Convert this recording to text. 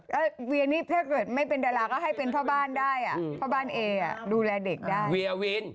แล้วเวียนี่ถ้าเกิดไม่เป็นดาราก็ให้เป็นพ่อบ้านได้อ่ะพ่อบ้านเอดูแลเด็กได้เวียวิน